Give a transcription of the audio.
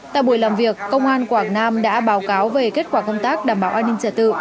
tại buổi làm việc công an quảng nam đã báo cáo về kết quả công tác đảm bảo an ninh trật tự